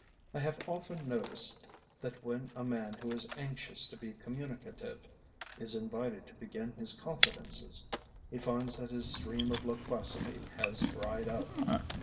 I have often noticed that when a man who is anxious to be communicative is invited to begin his confidences, he finds that his stream of loquacity has dried up.